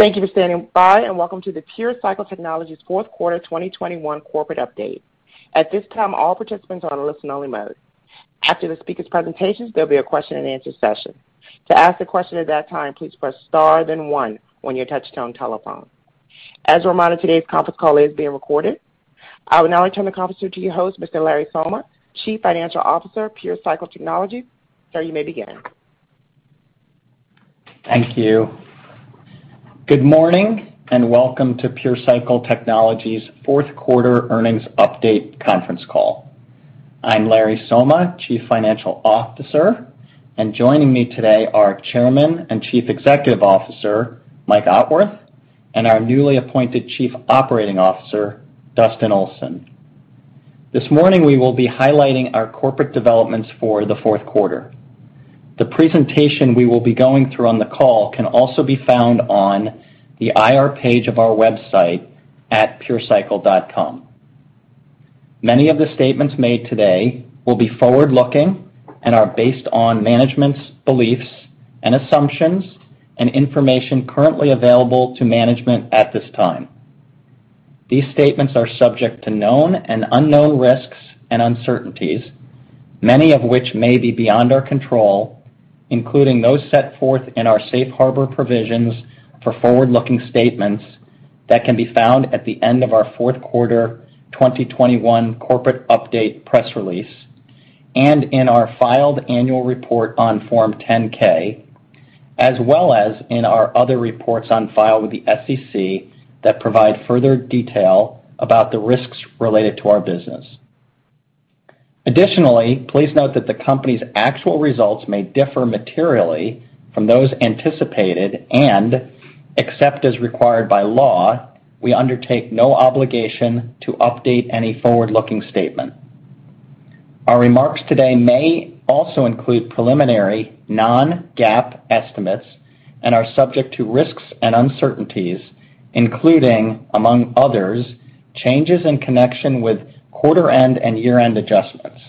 Thank you for standing by, and welcome to the PureCycle Technologies' fourth quarter 2021 corporate update. At this time, all participants are on listen-only mode. After the speaker's presentations, there'll be a question-and-answer session. To ask a question at that time, please press star then one on your touchtone telephone. As a reminder, today's conference call is being recorded. I will now turn the conference to your host, Mr. Larry Somma, Chief Financial Officer, PureCycle Technologies. Sir, you may begin. Thank you. Good morning, and welcome to PureCycle Technologies fourth quarter earnings update conference call. I'm Larry Somma, Chief Financial Officer, and joining me today are Chairman and Chief Executive Officer, Mike Otworth, and our newly appointed Chief Operating Officer, Dustin Olson. This morning, we will be highlighting our corporate developments for the fourth quarter. The presentation we will be going through on the call can also be found on the IR page of our website at purecycle.com. Many of the statements made today will be forward-looking and are based on management's beliefs and assumptions and information currently available to management at this time. These statements are subject to known and unknown risks and uncertainties, many of which may be beyond our control, including those set forth in our safe harbor provisions for forward-looking statements that can be found at the end of our fourth quarter 2021 corporate update press release and in our filed annual report on Form 10-K, as well as in our other reports on file with the SEC that provide further detail about the risks related to our business. Additionally, please note that the company's actual results may differ materially from those anticipated, and except as required by law, we undertake no obligation to update any forward-looking statement. Our remarks today may also include preliminary non-GAAP estimates and are subject to risks and uncertainties, including, among others, changes in connection with quarter end and year-end adjustments.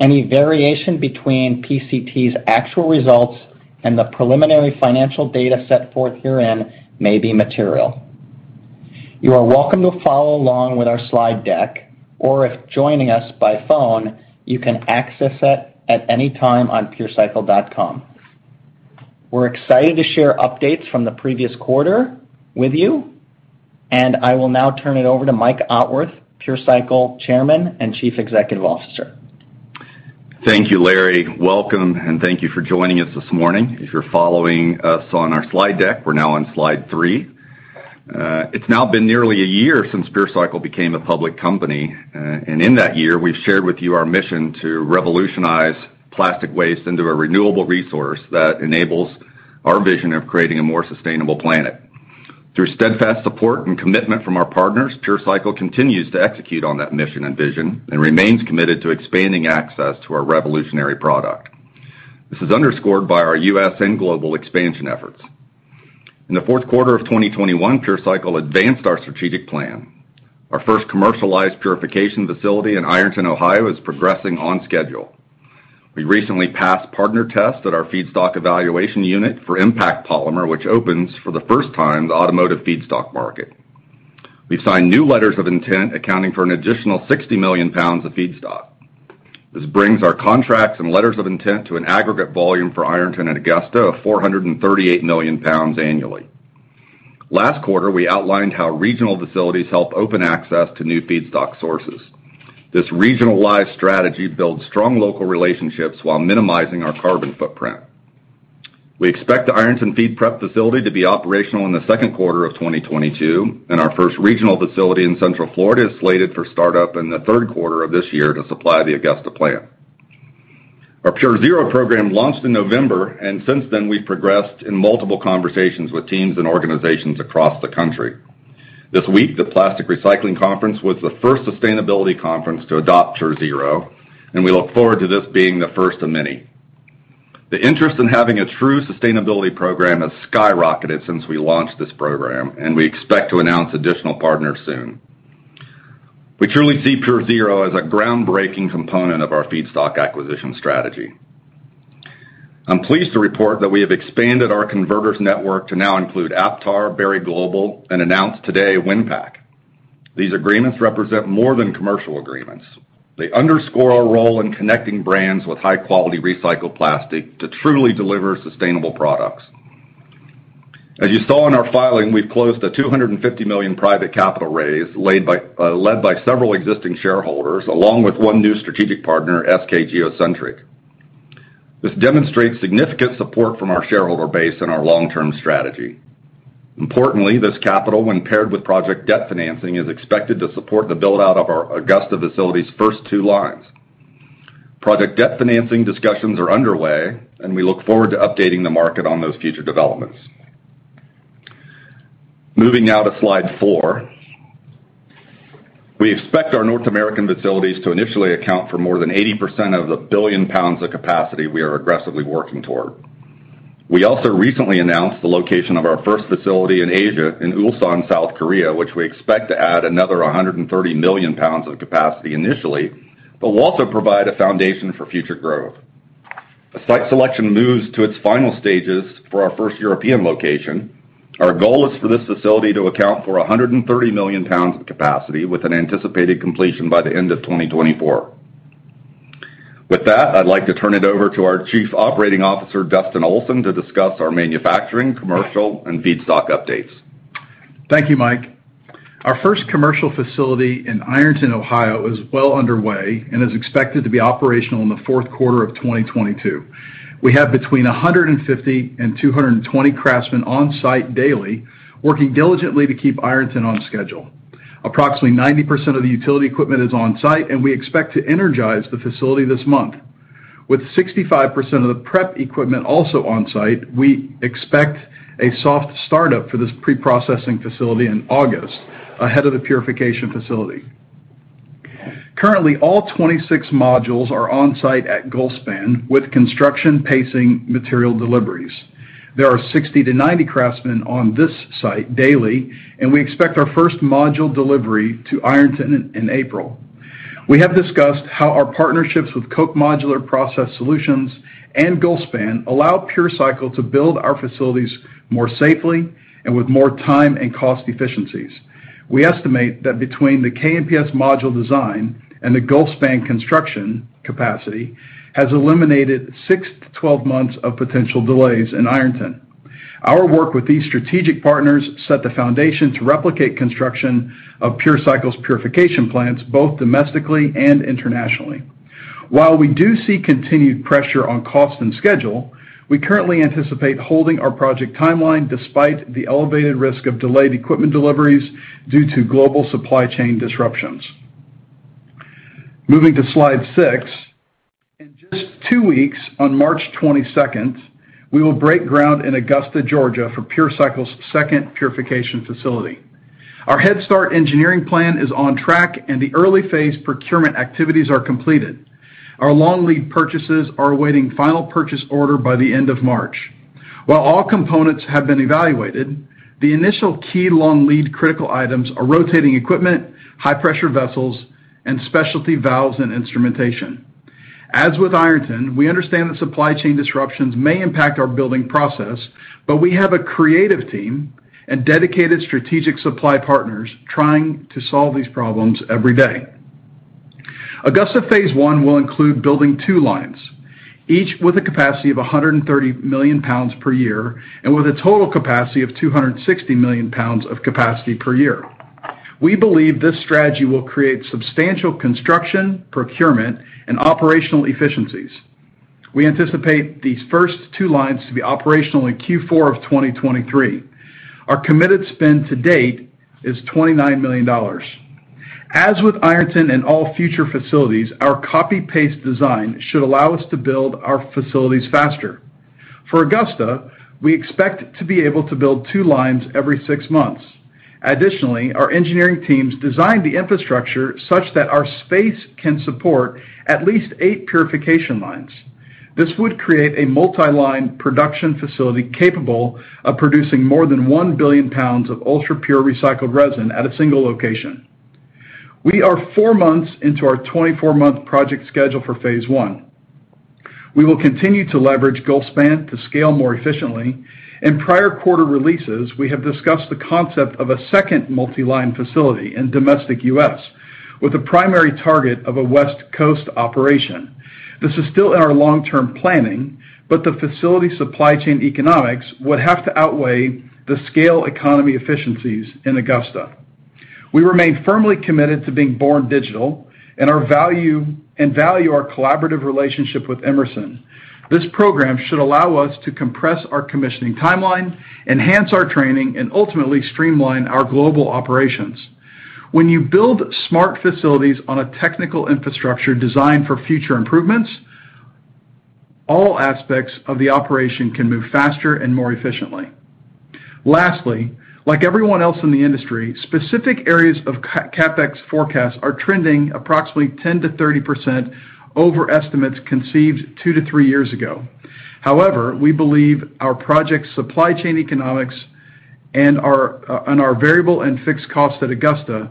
Any variation between PCT's actual results and the preliminary financial data set forth herein may be material. You are welcome to follow along with our slide deck, or if joining us by phone, you can access it at any time on purecycle.com. We're excited to share updates from the previous quarter with you, and I will now turn it over to Mike Otworth, PureCycle Chairman and Chief Executive Officer. Thank you, Larry. Welcome, and thank you for joining us this morning. If you're following us on our slide deck, we're now on slide 3. It's now been nearly a year since PureCycle became a public company, and in that year, we've shared with you our mission to revolutionize plastic waste into a renewable resource that enables our vision of creating a more sustainable planet. Through steadfast support and commitment from our partners, PureCycle continues to execute on that mission and vision and remains committed to expanding access to our revolutionary product. This is underscored by our U.S. and global expansion efforts. In the fourth quarter of 2021, PureCycle advanced our strategic plan. Our first commercialized purification facility in Ironton, Ohio, is progressing on schedule. We recently passed partner tests at our Feedstock Evaluation Unit for impact copolymer, which opens for the first time the automotive feedstock market. We've signed new letters of intent accounting for an additional 60 million pounds of feedstock. This brings our contracts and letters of intent to an aggregate volume for Ironton and Augusta of 438 million pounds annually. Last quarter, we outlined how regional facilities help open access to new feedstock sources. This regional wide strategy builds strong local relationships while minimizing our carbon footprint. We expect the Ironton feed prep facility to be operational in the second quarter of 2022, and our first regional facility in Central Florida is slated for startup in the third quarter of this year to supply the Augusta plant. Our PureZero program launched in November, and since then we've progressed in multiple conversations with teams and organizations across the country. This week, the Plastic Recycling Conference was the first sustainability conference to adopt PureZero, and we look forward to this being the first of many. The interest in having a true sustainability program has skyrocketed since we launched this program, and we expect to announce additional partners soon. We truly see PureZero as a groundbreaking component of our feedstock acquisition strategy. I'm pleased to report that we have expanded our converters network to now include Aptar, Berry Global, and announced today, Winpak. These agreements represent more than commercial agreements. They underscore our role in connecting brands with high-quality recycled plastic to truly deliver sustainable products. As you saw in our filing, we've closed a $250 million private capital raise led by several existing shareholders along with one new strategic partner, SK geo centric. This demonstrates significant support from our shareholder base and our long-term strategy. Importantly, this capital, when paired with project debt financing, is expected to support the build-out of our Augusta facility's first two lines. Project debt financing discussions are underway, and we look forward to updating the market on those future developments. Moving now to slide 4. We expect our North American facilities to initially account for more than 80% of the 1 billion pounds of capacity we are aggressively working toward. We also recently announced the location of our first facility in Asia in Ulsan, South Korea, which we expect to add another 130 million pounds of capacity initially. But we'll also provide a foundation for future growth. As site selection moves to its final stages for our first European location, our goal is for this facility to account for 130 million pounds of capacity with an anticipated completion by the end of 2024. With that, I'd like to turn it over to our Chief Operating Officer, Dustin Olson, to discuss our manufacturing, commercial, and feedstock updates. Thank you, Mike. Our first commercial facility in Ironton, Ohio, is well underway and is expected to be operational in the fourth quarter of 2022. We have between 150 and 220 craftsmen on-site daily working diligently to keep Ironton on schedule. Approximately 90% of the utility equipment is on-site, and we expect to energize the facility this month. With 65% of the prep equipment also on-site, we expect a soft startup for this pre-processing facility in August ahead of the purification facility. Currently, all 26 modules are on-site at Gulfspan with construction pacing material deliveries. There are 60-90 craftsmen on this site daily, and we expect our first module delivery to Ironton in April. We have discussed how our partnerships with Koch Modular Process Systems and Gulfspan allow PureCycle to build our facilities more safely and with more time and cost efficiencies. We estimate that between the KMPS module design and the Gulfspan construction capacity has eliminated 6-12 months of potential delays in Ironton. Our work with these strategic partners set the foundation to replicate construction of PureCycle's purification plants, both domestically and internationally. While we do see continued pressure on cost and schedule, we currently anticipate holding our project timeline despite the elevated risk of delayed equipment deliveries due to global supply chain disruptions. Moving to slide 6. In just 2 weeks, on March 22, we will break ground in Augusta, Georgia, for PureCycle's second purification facility. Our head start engineering plan is on track, and the early phase procurement activities are completed. Our long lead purchases are awaiting final purchase order by the end of March. While all components have been evaluated, the initial key long lead critical items are rotating equipment, high pressure vessels, and specialty valves and instrumentation. As with Ironton, we understand that supply chain disruptions may impact our building process, but we have a creative team and dedicated strategic supply partners trying to solve these problems every day. Augusta phase one will include building two lines, each with a capacity of 130 million pounds per year and with a total capacity of 260 million pounds of capacity per year. We believe this strategy will create substantial construction, procurement, and operational efficiencies. We anticipate these first two lines to be operational in Q4 of 2023. Our committed spend to date is $29 million. As with Ironton and all future facilities, our copy-paste design should allow us to build our facilities faster. For Augusta, we expect to be able to build 2 lines every 6 months. Additionally, our engineering teams designed the infrastructure such that our space can support at least 8 purification lines. This would create a multi-line production facility capable of producing more than 1 billion pounds of ultra-pure recycled resin at a single location. We are 4 months into our 24-month project schedule for phase one. We will continue to leverage Gulfspan to scale more efficiently. In prior quarter releases, we have discussed the concept of a second multi-line facility in domestic U.S. with a primary target of a West Coast operation. This is still in our long-term planning, but the facility supply chain economics would have to outweigh the scale economy efficiencies in Augusta. We remain firmly committed to being born digital and value our collaborative relationship with Emerson. This program should allow us to compress our commissioning timeline, enhance our training, and ultimately streamline our global operations. When you build smart facilities on a technical infrastructure designed for future improvements, all aspects of the operation can move faster and more efficiently. Lastly, like everyone else in the industry, specific areas of CapEx forecasts are trending approximately 10%-30% over estimates conceived 2-3 years ago. However, we believe our project supply chain economics and our variable and fixed costs at Augusta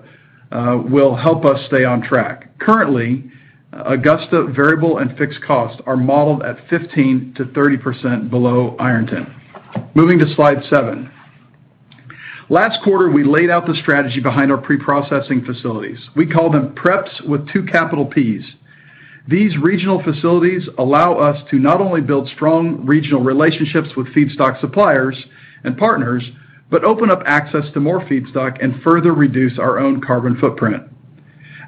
will help us stay on track. Currently, Augusta variable and fixed costs are modeled at 15%-30% below Ironton. Moving to slide 7. Last quarter, we laid out the strategy behind our pre-processing facilities. We call them PrePs with two capital Ps. These regional facilities allow us to not only build strong regional relationships with feedstock suppliers and partners, but open up access to more feedstock and further reduce our own carbon footprint.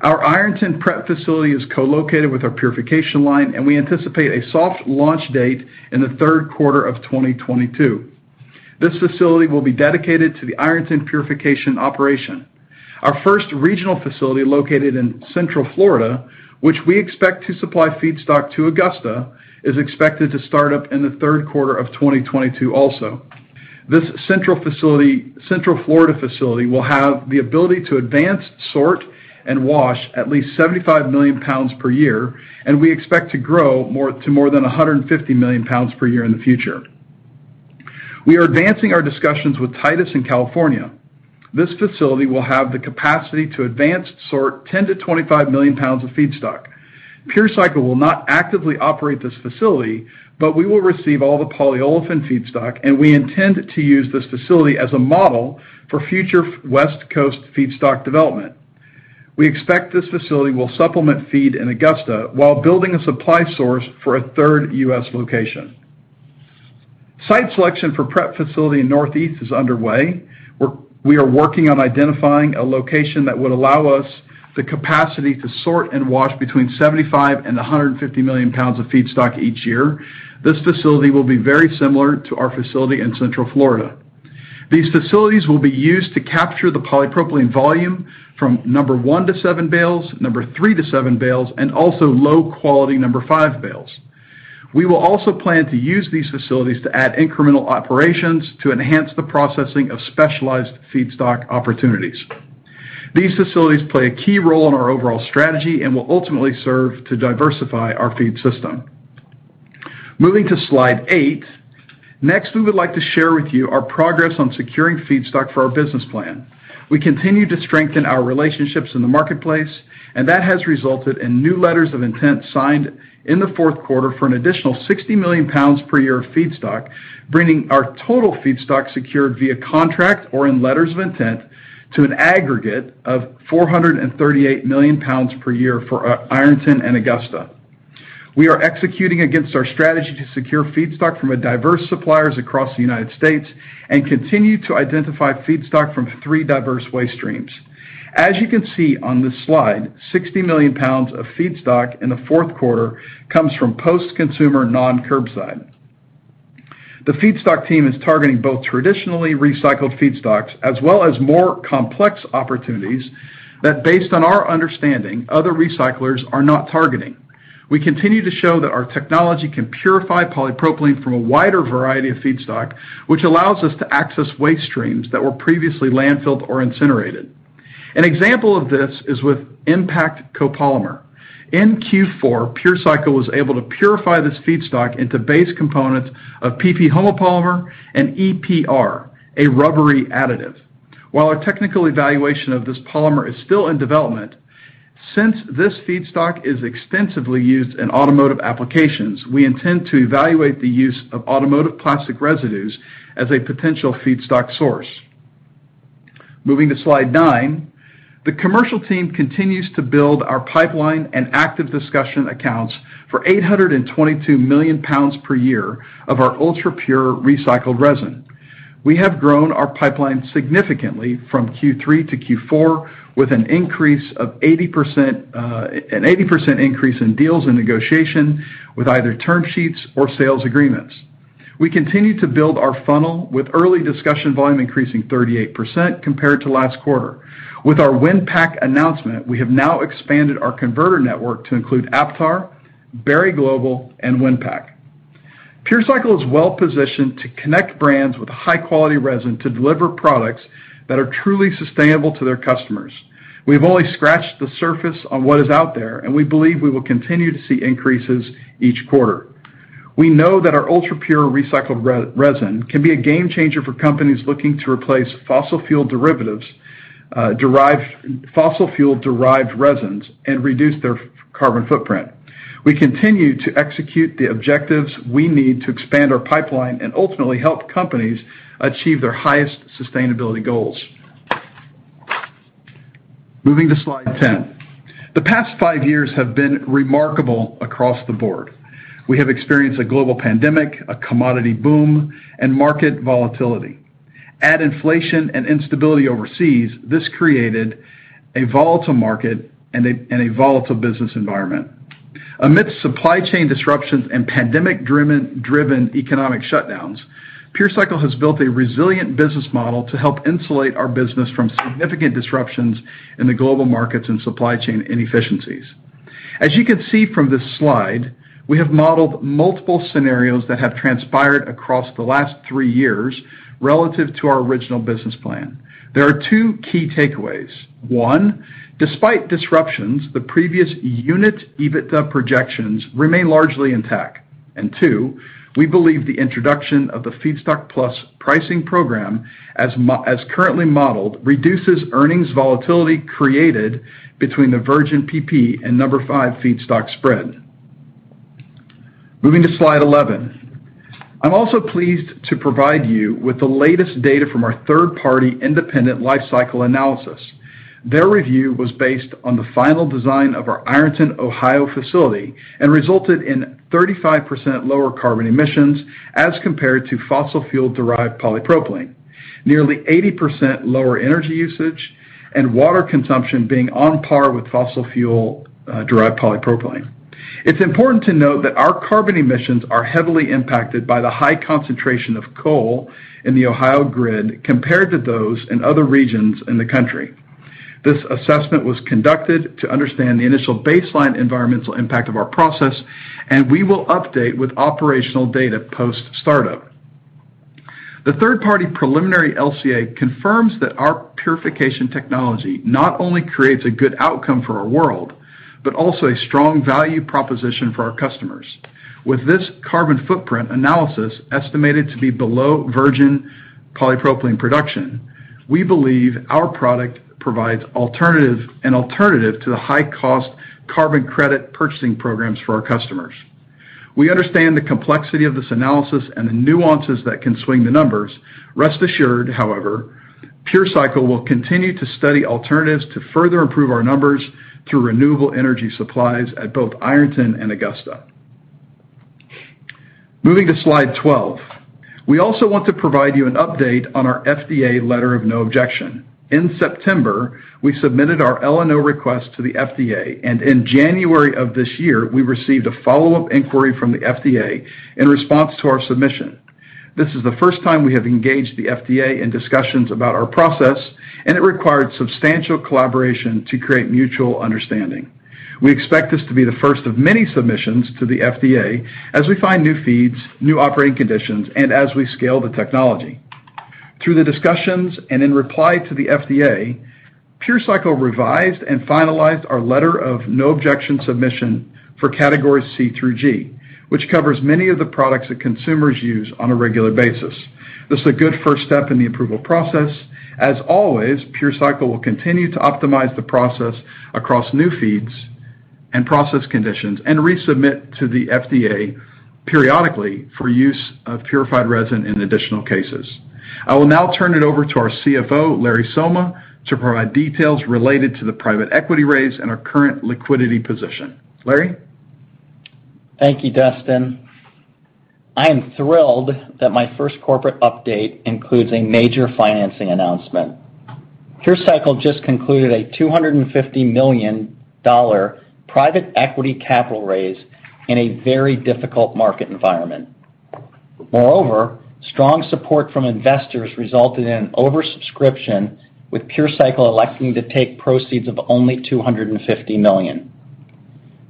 Our Ironton PreP facility is co-located with our purification line, and we anticipate a soft launch date in the third quarter of 2022. This facility will be dedicated to the Ironton purification operation. Our first regional facility located in Central Florida, which we expect to supply feedstock to Augusta, is expected to start up in the third quarter of 2022 also. This Central Florida facility will have the ability to advance, sort, and wash at least 75 million pounds per year, and we expect to grow to more than 150 million pounds per year in the future. We are advancing our discussions with Titus in California. This facility will have the capacity to advance sort 10-25 million pounds of feedstock. PureCycle will not actively operate this facility, but we will receive all the polyolefin feedstock, and we intend to use this facility as a model for future West Coast feedstock development. We expect this facility will supplement feed in Augusta while building a supply source for a third U.S. location. Site selection for PreP facility in Northeast is underway. We are working on identifying a location that would allow us the capacity to sort and wash between 75 and 150 million pounds of feedstock each year. This facility will be very similar to our facility in Central Florida. These facilities will be used to capture the polypropylene volume from number 1 to 7 bales, number 3 to 7 bales, and also low quality number 5 bales. We will also plan to use these facilities to add incremental operations to enhance the processing of specialized feedstock opportunities. These facilities play a key role in our overall strategy and will ultimately serve to diversify our feed system. Moving to slide 8. Next, we would like to share with you our progress on securing feedstock for our business plan. We continue to strengthen our relationships in the marketplace, and that has resulted in new letters of intent signed in the fourth quarter for an additional 60 million pounds per year of feedstock, bringing our total feedstock secured via contract or in letters of intent to an aggregate of 438 million pounds per year for Ironton and Augusta. We are executing against our strategy to secure feedstock from diverse suppliers across the United States and continue to identify feedstock from 3 diverse waste streams. As you can see on this slide, 60 million pounds of feedstock in the fourth quarter comes from post-consumer non-curbside. The feedstock team is targeting both traditionally recycled feedstocks as well as more complex opportunities that, based on our understanding, other recyclers are not targeting. We continue to show that our technology can purify polypropylene from a wider variety of feedstock, which allows us to access waste streams that were previously landfilled or incinerated. An example of this is with impact copolymer. In Q4, PureCycle was able to purify this feedstock into base components of PP homopolymer and EPR, a rubbery additive. While our technical evaluation of this polymer is still in development, since this feedstock is extensively used in automotive applications, we intend to evaluate the use of automotive plastic residues as a potential feedstock source. Moving to slide nine. The commercial team continues to build our pipeline and active discussion accounts for 822 million pounds per year of our ultra-pure recycled resin. We have grown our pipeline significantly from Q3 to Q4 with an increase of 80%. An 80% increase in deals and negotiation with either term sheets or sales agreements. We continue to build our funnel with early discussion volume increasing 38% compared to last quarter. With our Winpak announcement, we have now expanded our converter network to include Aptar, Berry Global, and Winpak. PureCycle is well-positioned to connect brands with high-quality resin to deliver products that are truly sustainable to their customers. We've only scratched the surface on what is out there, and we believe we will continue to see increases each quarter. We know that our ultra-pure recycled resin can be a game changer for companies looking to replace fossil fuel-derived resins and reduce their carbon footprint. We continue to execute the objectives we need to expand our pipeline and ultimately help companies achieve their highest sustainability goals. Moving to slide 10. The past five years have been remarkable across the board. We have experienced a global pandemic, a commodity boom, and market volatility. Add inflation and instability overseas, this created a volatile market and a volatile business environment. Amidst supply chain disruptions and pandemic-driven economic shutdowns, PureCycle has built a resilient business model to help insulate our business from significant disruptions in the global markets and supply chain inefficiencies. As you can see from this slide, we have modeled multiple scenarios that have transpired across the last three years relative to our original business plan. There are two key takeaways. One, despite disruptions, the previous unit EBITDA projections remain largely intact. Two, we believe the introduction of the Feedstock Plus pricing program as currently modeled reduces earnings volatility created between the virgin PP and number five feedstock spread. Moving to slide 11. I'm also pleased to provide you with the latest data from our third-party independent life cycle analysis. Their review was based on the final design of our Ironton, Ohio facility and resulted in 35% lower carbon emissions as compared to fossil fuel-derived polypropylene, nearly 80% lower energy usage, and water consumption being on par with fossil fuel-derived polypropylene. It's important to note that our carbon emissions are heavily impacted by the high concentration of coal in the Ohio grid compared to those in other regions in the country. This assessment was conducted to understand the initial baseline environmental impact of our process, and we will update with operational data post-startup. The third-party preliminary LCA confirms that our purification technology not only creates a good outcome for our world, but also a strong value proposition for our customers. With this carbon footprint analysis estimated to be below virgin polypropylene production. We believe our product provides alternative to the high cost carbon credit purchasing programs for our customers. We understand the complexity of this analysis and the nuances that can swing the numbers. Rest assured, however, PureCycle will continue to study alternatives to further improve our numbers through renewable energy supplies at both Ironton and Augusta. Moving to slide 12. We also want to provide you an update on our FDA letter of no objection. In September, we submitted our LNO request to the FDA, and in January of this year, we received a follow-up inquiry from the FDA in response to our submission. This is the first time we have engaged the FDA in discussions about our process, and it required substantial collaboration to create mutual understanding. We expect this to be the first of many submissions to the FDA as we find new feeds, new operating conditions, and as we scale the technology. Through the discussions and in reply to the FDA, PureCycle revised and finalized our letter of no objection submission for categories C through G, which covers many of the products that consumers use on a regular basis. This is a good first step in the approval process. As always, PureCycle will continue to optimize the process across new feeds and process conditions and resubmit to the FDA periodically for use of purified resin in additional cases. I will now turn it over to our CFO, Larry Somma, to provide details related to the private equity raise and our current liquidity position. Larry? Thank you, Dustin. I am thrilled that my first corporate update includes a major financing announcement. PureCycle just concluded a $250 million private equity capital raise in a very difficult market environment. Moreover, strong support from investors resulted in an oversubscription with PureCycle electing to take proceeds of only $250 million.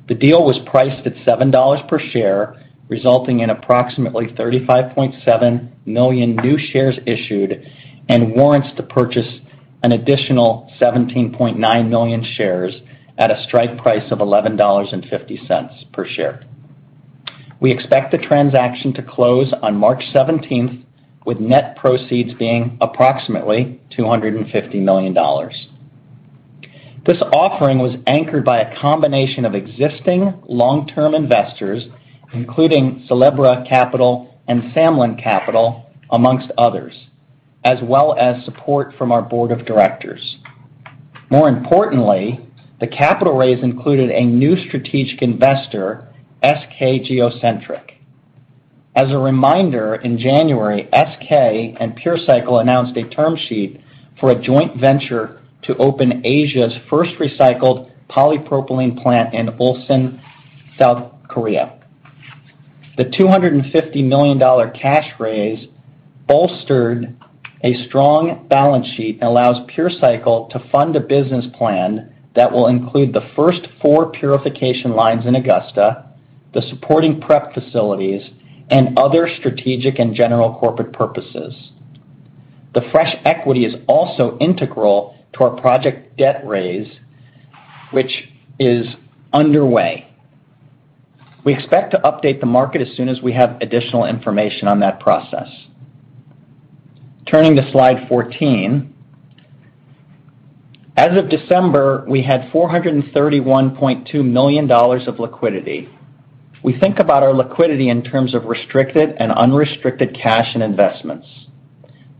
The deal was priced at $7 per share, resulting in approximately 35.7 million new shares issued and warrants to purchase an additional 17.9 million shares at a strike price of $11.50 per share. We expect the transaction to close on March seventeenth, with net proceeds being approximately $250 million. This offering was anchored by a combination of existing long-term investors, including Sylebra Capital and Samlyn Capital, among others, as well as support from our board of directors. More importantly, the capital raise included a new strategic investor, SK geo centric. As a reminder, in January, SK geo centric and PureCycle announced a term sheet for a joint venture to open Asia's first recycled polypropylene plant in Ulsan, South Korea. The $250 million cash raise bolstered a strong balance sheet and allows PureCycle to fund a business plan that will include the first four purification lines in Augusta, the supporting prep facilities, and other strategic and general corporate purposes. The fresh equity is also integral to our project debt raise, which is underway. We expect to update the market as soon as we have additional information on that process. Turning to slide 14. As of December, we had $431.2 million of liquidity. We think about our liquidity in terms of restricted and unrestricted cash and investments.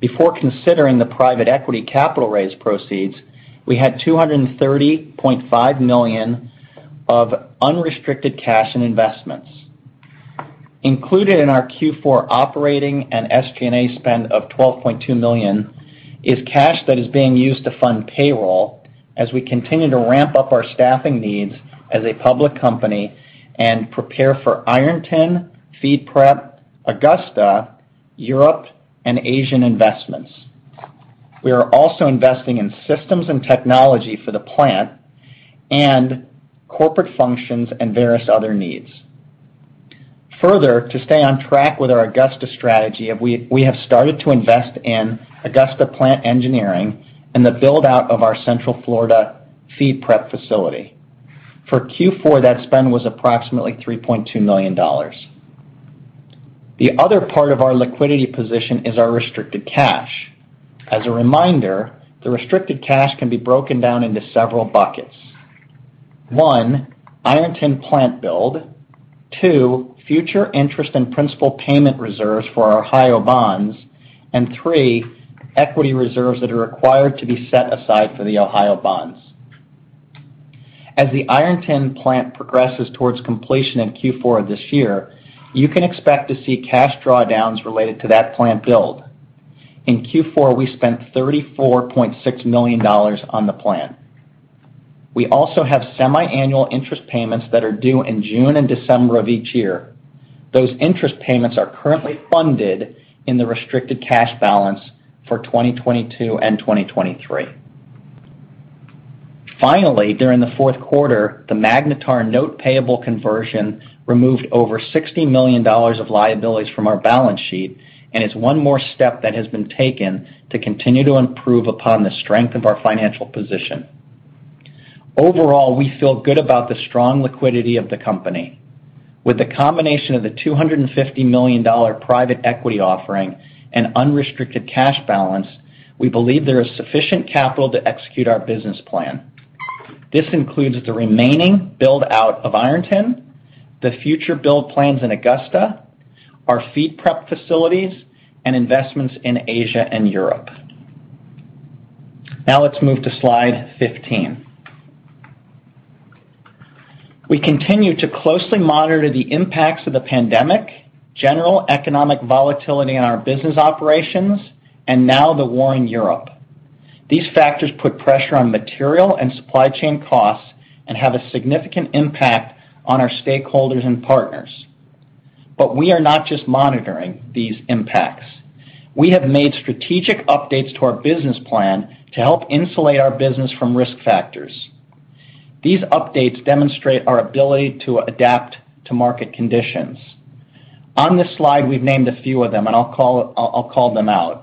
Before considering the private equity capital raise proceeds, we had $230.5 million of unrestricted cash and investments. Included in our Q4 operating and SG&A spend of $12.2 million is cash that is being used to fund payroll as we continue to ramp up our staffing needs as a public company and prepare for Ironton, feed prep, Augusta, Europe, and Asian investments. We are also investing in systems and technology for the plant and corporate functions and various other needs. Further, to stay on track with our Augusta strategy, we have started to invest in Augusta plant engineering and the build-out of our central Florida feed prep facility. For Q4, that spend was approximately $3.2 million. The other part of our liquidity position is our restricted cash. As a reminder, the restricted cash can be broken down into several buckets. 1, Ironton plant build. 2, future interest and principal payment reserves for our Ohio bonds. 3, equity reserves that are required to be set aside for the Ohio bonds. As the Ironton plant progresses towards completion in Q4 of this year, you can expect to see cash drawdowns related to that plant build. In Q4, we spent $34.6 million on the plant. We also have semiannual interest payments that are due in June and December of each year. Those interest payments are currently funded in the restricted cash balance for 2022 and 2023. Finally, during the fourth quarter, the Magnetar note payable conversion removed over $60 million of liabilities from our balance sheet and is one more step that has been taken to continue to improve upon the strength of our financial position. Overall, we feel good about the strong liquidity of the company. With the combination of the $250 million private equity offering and unrestricted cash balance, we believe there is sufficient capital to execute our business plan. This includes the remaining build-out of Ironton, the future build plans in Augusta, our feed prep facilities, and investments in Asia and Europe. Now let's move to slide 15. We continue to closely monitor the impacts of the pandemic, general economic volatility in our business operations, and now the war in Europe. These factors put pressure on material and supply chain costs and have a significant impact on our stakeholders and partners. We are not just monitoring these impacts. We have made strategic updates to our business plan to help insulate our business from risk factors. These updates demonstrate our ability to adapt to market conditions. On this slide, we've named a few of them, and I'll call them out.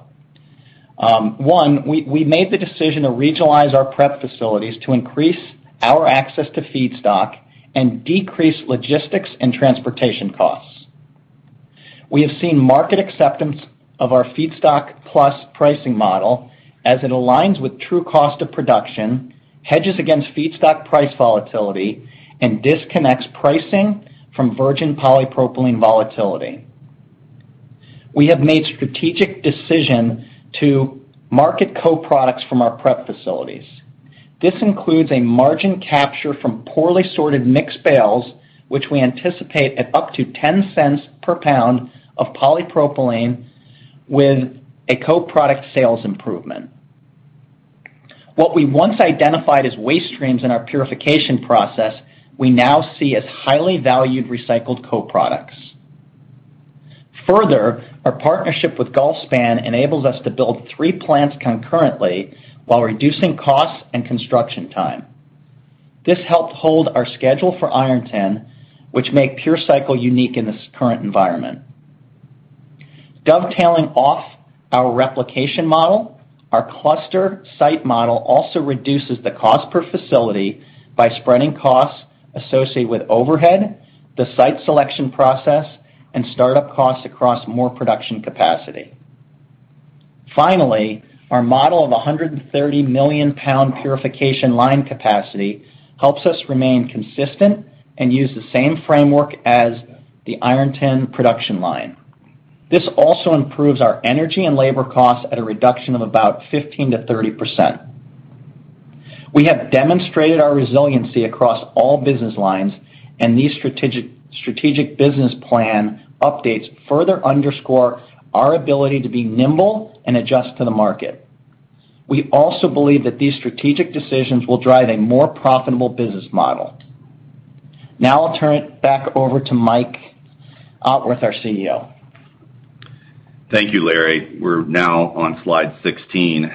One, we made the decision to regionalize our PreP facilities to increase our access to feedstock and decrease logistics and transportation costs. We have seen market acceptance of our feedstock-plus pricing model as it aligns with true cost of production, hedges against feedstock price volatility, and disconnects pricing from virgin polypropylene volatility. We have made a strategic decision to market co-products from our PreP facilities. This includes a margin capture from poorly sorted mixed bales, which we anticipate at up to $0.10 per pound of polypropylene with a co-product sales improvement. What we once identified as waste streams in our purification process, we now see as highly valued recycled co-products. Further, our partnership with Gulfspan enables us to build 3 plants concurrently while reducing costs and construction time. This helped hold our schedule for Ironton, which make PureCycle unique in this current environment. Dovetailing off our replication model, our cluster site model also reduces the cost per facility by spreading costs associated with overhead, the site selection process, and start-up costs across more production capacity. Finally, our model of 130 million pound purification line capacity helps us remain consistent and use the same framework as the Ironton production line. This also improves our energy and labor costs at a reduction of about 15%-30%. We have demonstrated our resiliency across all business lines, and these strategic business plan updates further underscore our ability to be nimble and adjust to the market. We also believe that these strategic decisions will drive a more profitable business model. Now I'll turn it back over to Mike Otworth, our CEO. Thank you, Larry. We're now on slide 16.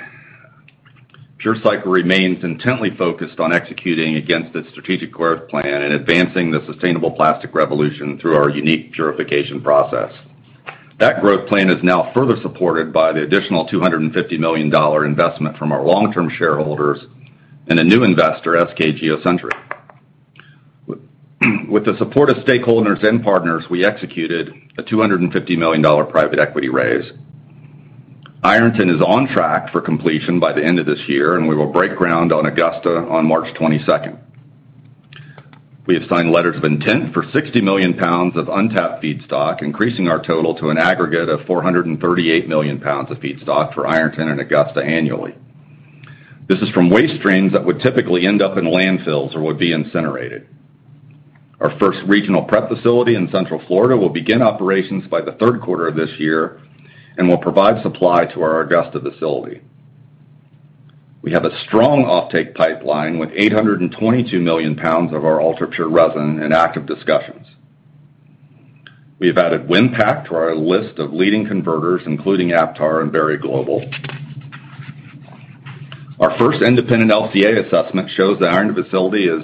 PureCycle remains intently focused on executing against its strategic growth plan and advancing the sustainable plastic revolution through our unique purification process. That growth plan is now further supported by the additional $250 million investment from our long-term shareholders and a new investor, SK geo centric. With the support of stakeholders and partners, we executed a $250 million private equity raise. Ironton is on track for completion by the end of this year, and we will break ground on Augusta on March twenty-second. We have signed letters of intent for 60 million pounds of untapped feedstock, increasing our total to an aggregate of 438 million pounds of feedstock for Ironton and Augusta annually. This is from waste streams that would typically end up in landfills or would be incinerated. Our first regional PreP facility in Central Florida will begin operations by the third quarter of this year and will provide supply to our Augusta facility. We have a strong offtake pipeline with 822 million pounds of our ultra-pure resin in active discussions. We have added Winpak to our list of leading converters, including Aptar and Berry Global. Our first independent LCA assessment shows the Ironton facility is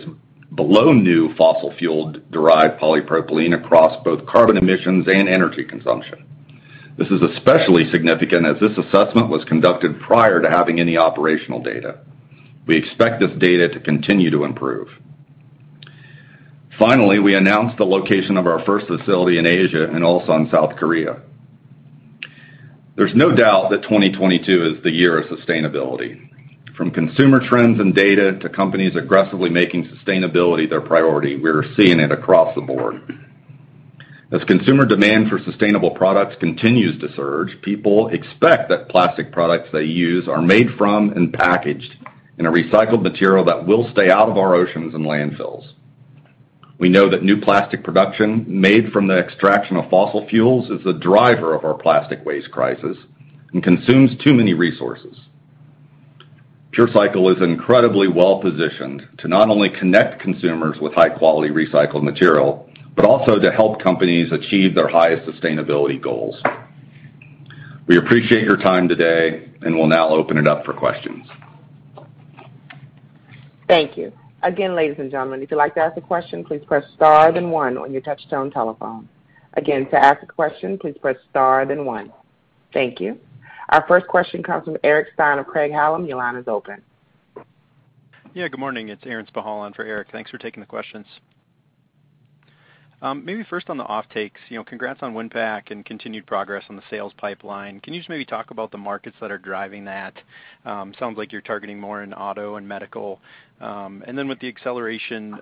below new fossil fuel-derived polypropylene across both carbon emissions and energy consumption. This is especially significant as this assessment was conducted prior to having any operational data. We expect this data to continue to improve. Finally, we announced the location of our first facility in Asia and also in South Korea. There's no doubt that 2022 is the year of sustainability. From consumer trends and data to companies aggressively making sustainability their priority, we're seeing it across the board. As consumer demand for sustainable products continues to surge, people expect that plastic products they use are made from and packaged in a recycled material that will stay out of our oceans and landfills. We know that new plastic production made from the extraction of fossil fuels is the driver of our plastic waste crisis and consumes too many resources. PureCycle is incredibly well-positioned to not only connect consumers with high-quality recycled material, but also to help companies achieve their highest sustainability goals. We appreciate your time today, and we'll now open it up for questions. Thank you. Again, ladies and gentlemen, if you'd like to ask a question, please press star then one on your touchtone telephone. Again, to ask a question, please press star then one. Thank you. Our first question comes from Eric Stine of Craig-Hallum. Your line is open. Yeah, good morning. It's Aaron Spychalla on for Eric. Thanks for taking the questions. Maybe first on the offtakes, you know, congrats on Winpak and continued progress on the sales pipeline. Can you just maybe talk about the markets that are driving that? Sounds like you're targeting more in auto and medical. With the acceleration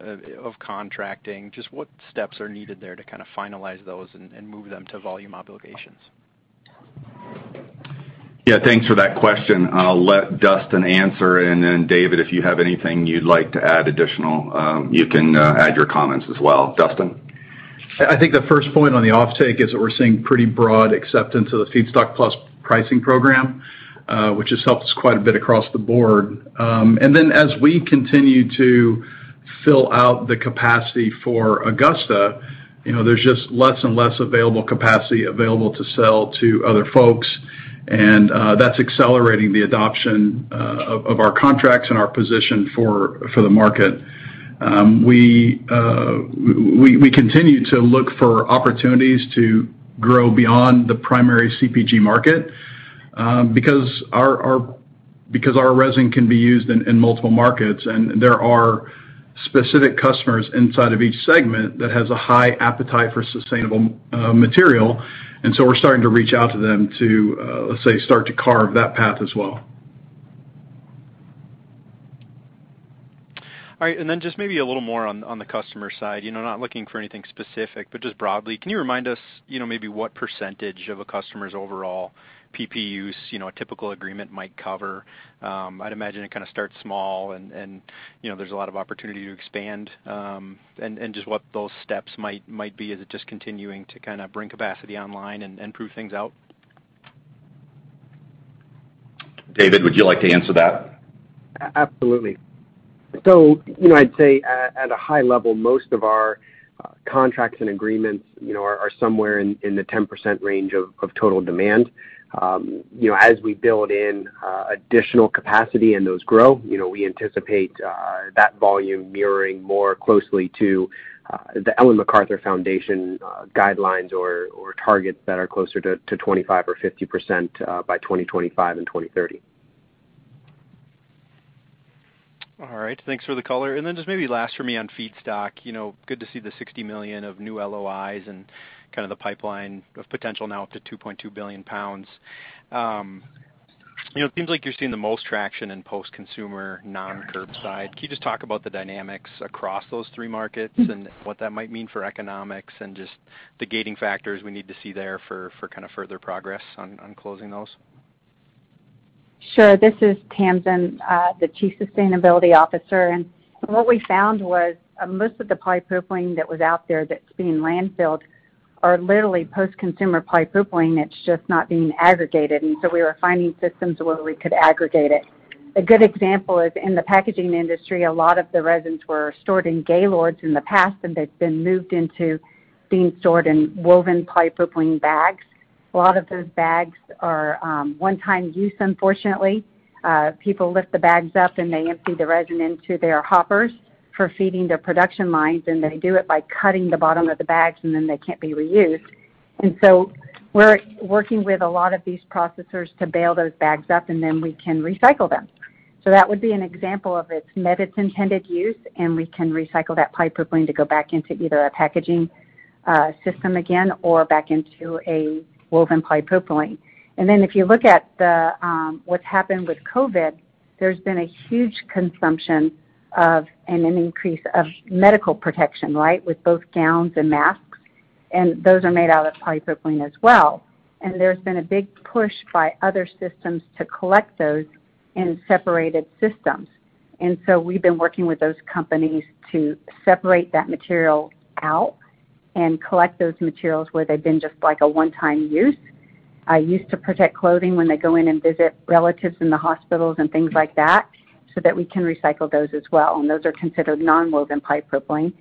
of contracting, just what steps are needed there to kinda finalize those and move them to volume obligations? Yeah, thanks for that question. I'll let Dustin answer, and then David, if you have anything you'd like to add additional, you can add your comments as well. Dustin? I think the first point on the offtake is that we're seeing pretty broad acceptance of the feedstock-plus pricing program, which has helped us quite a bit across the board. As we continue to fill out the capacity for Augusta, you know, there's just less and less available capacity available to sell to other folks, and that's accelerating the adoption of our contracts and our position for the market. We continue to look for opportunities to grow beyond the primary CPG market, because our resin can be used in multiple markets, and there are specific customers inside of each segment that has a high appetite for sustainable material. We're starting to reach out to them to, let's say, start to carve that path as well. All right. Just maybe a little more on the customer side. You know, not looking for anything specific, but just broadly, can you remind us, you know, maybe what percentage of a customer's overall PP use, you know, a typical agreement might cover? I'd imagine it kinda starts small and you know, there's a lot of opportunity to expand, and just what those steps might be as it just continuing to kinda bring capacity online and prove things out. David, would you like to answer that? Absolutely. You know, I'd say at a high level, most of our contracts and agreements, you know, are somewhere in the 10% range of total demand. You know, as we build in additional capacity and those grow, you know, we anticipate that volume mirroring more closely to the Ellen MacArthur Foundation guidelines or targets that are closer to 25% or 50% by 2025 and 2030. All right. Thanks for the color. Then just maybe last for me on feedstock, you know, good to see the 60 million of new LOIs and kind of the pipeline of potential now up to 2.2 billion pounds. You know, it seems like you're seeing the most traction in post-consumer, non-curbside. Can you just talk about the dynamics across those three markets and what that might mean for economics and just the gating factors we need to see there for kind of further progress on closing those? Sure. This is Tamsin, the Chief Sustainability Officer. What we found was, most of the polypropylene that was out there that's being landfilled are literally post-consumer polypropylene that's just not being aggregated. We were finding systems where we could aggregate it. A good example is in the packaging industry, a lot of the resins were stored in gaylords in the past, and they've been moved into being stored in woven polypropylene bags. A lot of those bags are one-time use unfortunately. People lift the bags up, and they empty the resin into their hoppers for feeding their production lines, and they do it by cutting the bottom of the bags, and then they can't be reused. We're working with a lot of these processors to bale those bags up, and then we can recycle them. That would be an example of it's met its intended use, and we can recycle that polypropylene to go back into either a packaging system again or back into a woven polypropylene. Then if you look at the what's happened with COVID, there's been a huge consumption of and an increase of medical protection, right, with both gowns and masks, and those are made out of polypropylene as well. There's been a big push by other systems to collect those in separated systems. We've been working with those companies to separate that material out and collect those materials where they've been just like a one-time use used to protect clothing when they go in and visit relatives in the hospitals and things like that, so that we can recycle those as well, and those are considered non-woven polypropylene.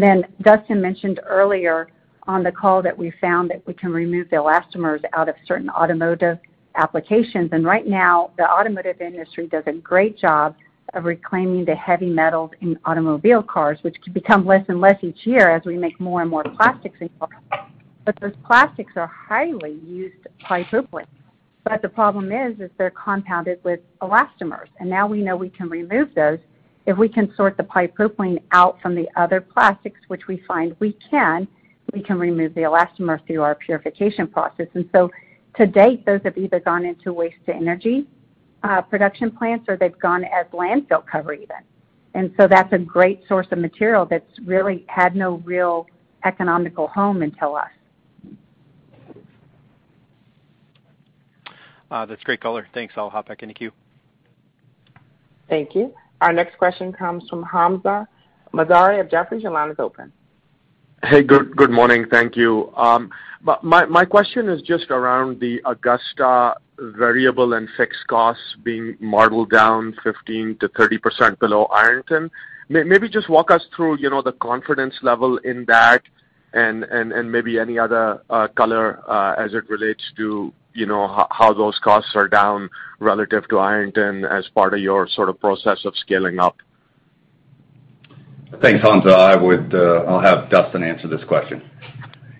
Then Dustin mentioned earlier on the call that we found that we can remove the elastomers out of certain automotive applications. Right now, the automotive industry does a great job of reclaiming the heavy metals in automobile cars, which can become less and less each year as we make more and more plastics involved. Those plastics are highly used polypropylene. The problem is, they're compounded with elastomers. Now we know we can remove those if we can sort the polypropylene out from the other plastics, which we find we can remove the elastomer through our purification process. To date, those have either gone into waste-to-energy production plants, or they've gone as landfill cover even. That's a great source of material that's really had no real economical home until us. That's great color. Thanks. I'll hop back in the queue. Thank you. Our next question comes from Hamzah Mazari of Jefferies. Your line is open. Hey, good morning. Thank you. My question is just around the Augusta variable and fixed costs being modeled down 15%-30% below Ironton. Maybe just walk us through, you know, the confidence level in that and maybe any other color as it relates to, you know, how those costs are down relative to Ironton as part of your sort of process of scaling up. Thanks, Hamzah. I'll have Dustin answer this question.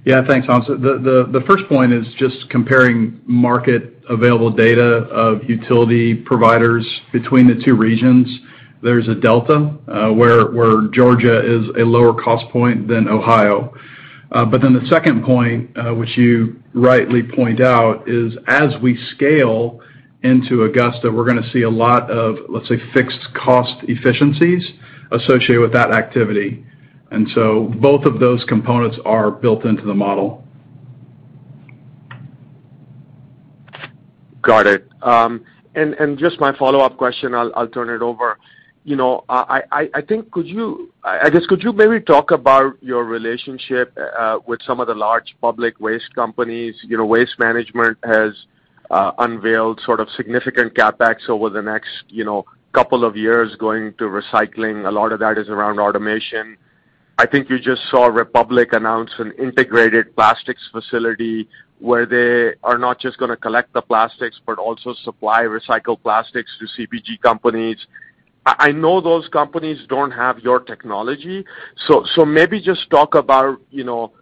Yeah, thanks, Hamzah. The first point is just comparing market available data of utility providers between the two regions. There's a delta where Georgia is a lower cost point than Ohio. The second point, which you rightly point out, is as we scale into Augusta, we're gonna see a lot of, let's say, fixed cost efficiencies associated with that activity. Both of those components are built into the model. Got it. Just my follow-up question, I'll turn it over. You know, I guess, could you maybe talk about your relationship with some of the large public waste companies? You know, Waste Management has unveiled sort of significant CapEx over the next, you know, couple of years going to recycling. A lot of that is around automation. I think you just saw Republic announce an integrated plastics facility where they are not just gonna collect the plastics, but also supply recycled plastics to CPG companies. I know those companies don't have your technology, so maybe just talk about, you know,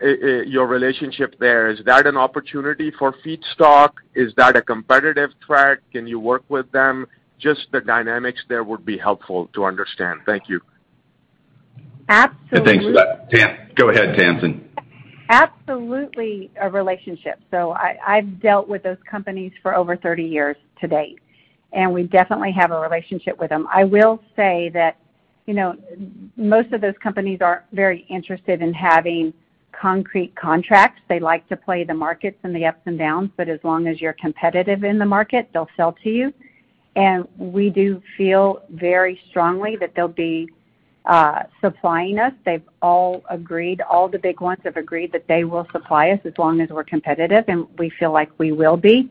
your relationship there. Is that an opportunity for feedstock? Is that a competitive threat? Can you work with them? Just the dynamics there would be helpful to understand. Thank you. Absolutely- Thanks for that. Go ahead, Tamsin. Absolutely a relationship. I've dealt with those companies for over 30 years to date, and we definitely have a relationship with them. I will say that, you know, most of those companies are very interested in having concrete contracts. They like to play the markets and the ups and downs, but as long as you're competitive in the market, they'll sell to you. We do feel very strongly that they'll be supplying us. They've all agreed, all the big ones have agreed that they will supply us as long as we're competitive, and we feel like we will be.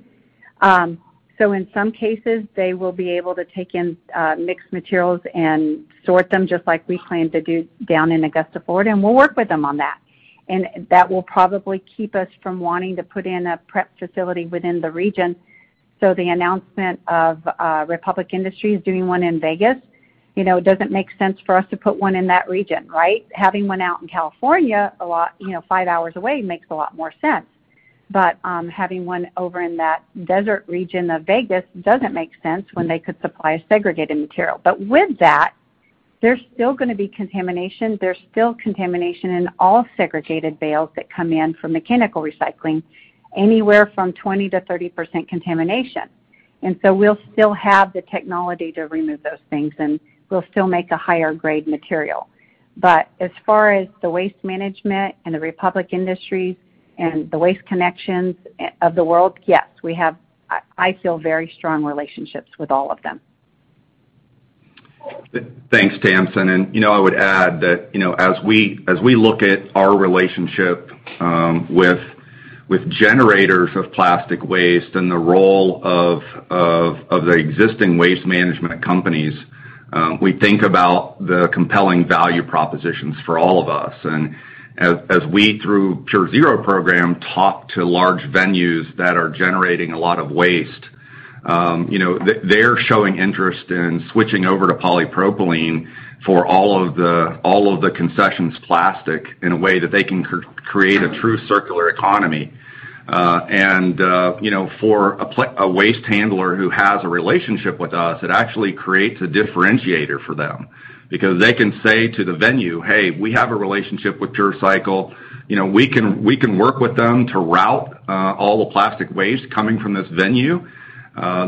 In some cases, they will be able to take in mixed materials and sort them just like we plan to do down in Augusta, Georgia, and we'll work with them on that. That will probably keep us from wanting to put in a PreP facility within the region. The announcement of Republic Services doing one in Vegas, you know, it doesn't make sense for us to put one in that region, right? Having one out in California a lot, you know, five hours away makes a lot more sense. Having one over in that desert region of Vegas doesn't make sense when they could supply a segregated material. With that, there's still gonna be contamination. There's still contamination in all segregated bales that come in for mechanical recycling, anywhere from 20%-30% contamination. We'll still have the technology to remove those things, and we'll still make a higher grade material. As far as the Waste Management and the Republic Services and the Waste Connections of the world, yes, we have I feel very strong relationships with all of them. Thanks, Tamsin. You know, I would add that, you know, as we look at our relationship with generators of plastic waste and the role of the existing waste management companies, we think about the compelling value propositions for all of us. As we, through PureZero™ program, talk to large venues that are generating a lot of waste, you know, they're showing interest in switching over to polypropylene for all of the concessions plastic in a way that they can create a true circular economy. You know, for a waste handler who has a relationship with us, it actually creates a differentiator for them because they can say to the venue, "Hey, we have a relationship with PureCycle. You know, we can work with them to route all the plastic waste coming from this venue.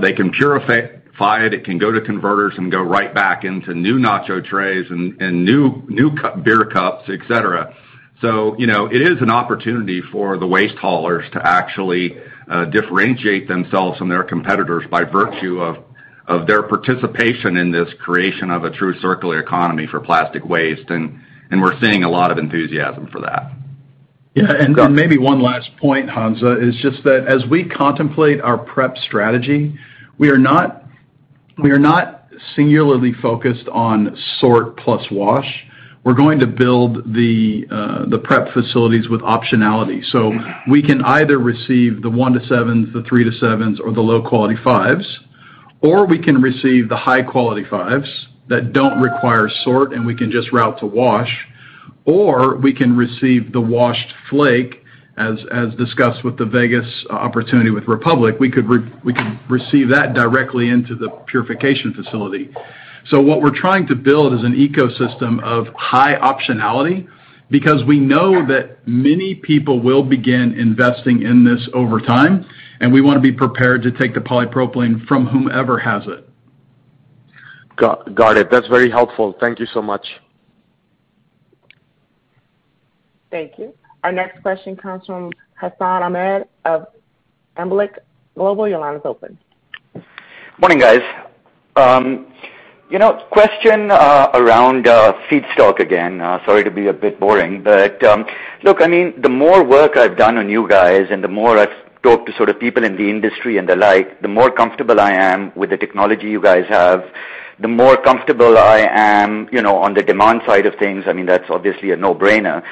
They can purify it. It can go to converters and go right back into new nacho trays and new beer cups, et cetera. You know, it is an opportunity for the waste haulers to actually differentiate themselves from their competitors by virtue of their participation in this creation of a true circular economy for plastic waste, and we're seeing a lot of enthusiasm for that. Yeah. Go ahead. Maybe one last point, Hamzah, is just that as we contemplate our prep strategy, we are not singularly focused on sort plus wash. We're going to build the prep facilities with optionality. We can either receive the 1-7s, the 3-7s, or the low-quality 5s, or we can receive the high-quality 5s that don't require sort, and we can just route to wash, or we can receive the washed flake, as discussed with the Vegas opportunity with Republic. We could receive that directly into the purification facility. What we're trying to build is an ecosystem of high optionality because we know that many people will begin investing in this over time, and we wanna be prepared to take the polypropylene from whomever has it. Got it. That's very helpful. Thank you so much. Thank you. Our next question comes from Hassan Ahmed of Alembic Global Advisors. Your line is open. Morning, guys. You know, question around feedstock again. Sorry to be a bit boring, but look, I mean, the more work I've done on you guys and the more I've talked to sort of people in the industry and the like, the more comfortable I am with the technology you guys have, the more comfortable I am, you know, on the demand side of things. I mean, that's obviously a no-brainer.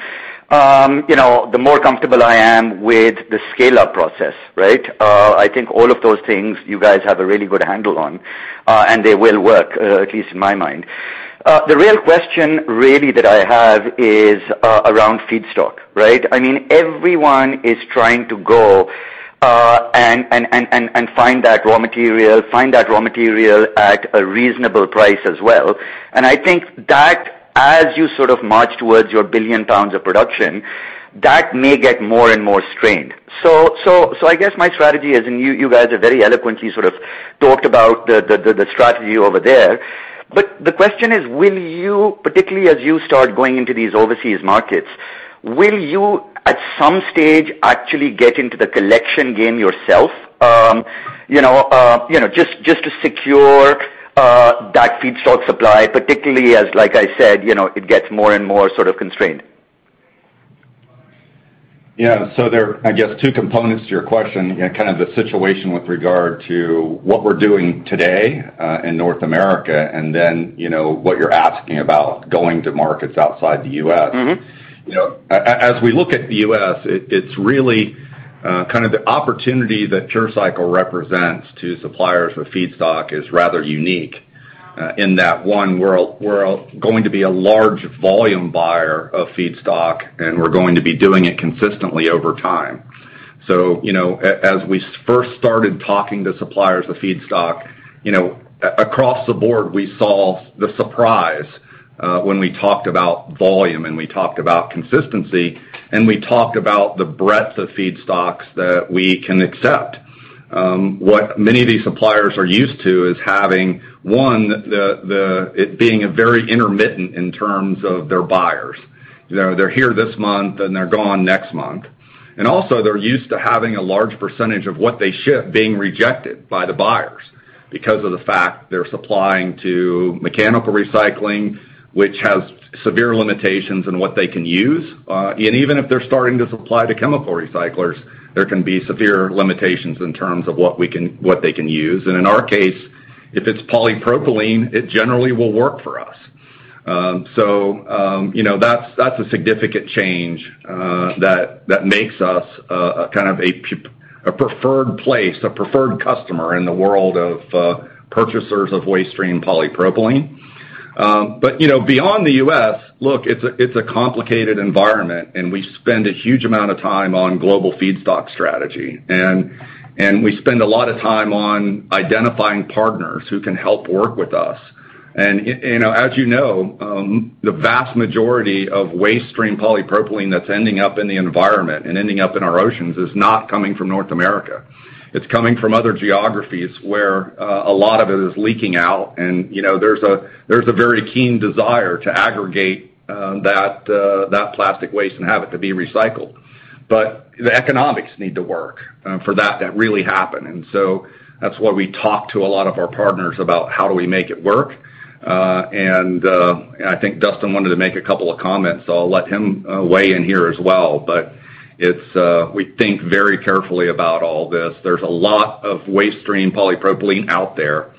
You know, the more comfortable I am with the scale-up process, right? I think all of those things you guys have a really good handle on, and they will work, at least in my mind. The real question really that I have is around feedstock, right? I mean, everyone is trying to go and find that raw material at a reasonable price as well. I think that as you sort of march towards your 1 billion pounds of production, that may get more and more strained. I guess my strategy is, and you guys have very eloquently sort of talked about the strategy over there. The question is, will you, particularly as you start going into these overseas markets, will you at some stage actually get into the collection game yourself? You know, just to secure that feedstock supply, particularly as like I said, you know, it gets more and more sort of constrained. Yeah. There are, I guess, two components to your question and kind of the situation with regard to what we're doing today in North America and then, you know, what you're asking about going to markets outside the US. Mm-hmm. You know, as we look at the U.S., it's really kind of the opportunity that PureCycle represents to suppliers of feedstock is rather unique in the world. We're going to be a large volume buyer of feedstock, and we're going to be doing it consistently over time. You know, as we first started talking to suppliers of feedstock, you know, across the board, we saw the surprise when we talked about volume and we talked about consistency, and we talked about the breadth of feedstocks that we can accept. What many of these suppliers are used to is having it being a very intermittent in terms of their buyers. You know, they're here this month, and they're gone next month. Also, they're used to having a large percentage of what they ship being rejected by the buyers because of the fact they're supplying to mechanical recycling, which has severe limitations in what they can use, and even if they're starting to supply to chemical recyclers, there can be severe limitations in terms of what they can use. In our case, if it's polypropylene, it generally will work for us. You know, that's a significant change that makes us a kind of a preferred place, a preferred customer in the world of purchasers of waste stream polypropylene. You know, beyond the U.S., look, it's a complicated environment, and we spend a huge amount of time on global feedstock strategy. We spend a lot of time on identifying partners who can help work with us. You know, the vast majority of waste stream polypropylene that's ending up in the environment and ending up in our oceans is not coming from North America. It's coming from other geographies where a lot of it is leaking out and, you know, there's a very keen desire to aggregate that plastic waste and have it to be recycled. The economics need to work for that to really happen. That's why we talk to a lot of our partners about how do we make it work. I think Dustin wanted to make a couple of comments, so I'll let him weigh in here as well. It's we think very carefully about all this. There's a lot of waste stream polypropylene out there.